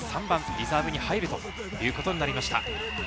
リザーブに入るということになりました。